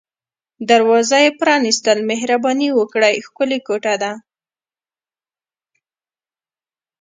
دروازه یې پرانیستل، مهرباني وکړئ، ښکلې کوټه ده.